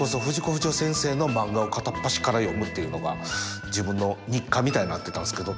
不二雄先生の漫画を片っ端から読むっていうのが自分の日課みたいになってたんですけど。